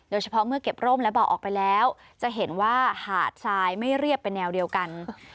เมื่อเก็บร่มและเบาะออกไปแล้วจะเห็นว่าหาดทรายไม่เรียบเป็นแนวเดียวกัน